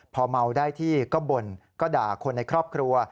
พอเมาได้ที่ก็บ่นก็ด่าคนในครอบครัว